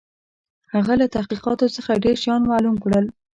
هغه له تحقیقاتو څخه ډېر شيان معلوم کړل.